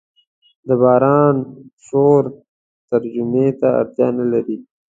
د باران شور ترجمې ته اړتیا نه لري.